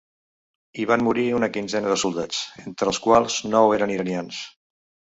Hi van morir una quinzena de soldats, entre els quals nou eren iranians.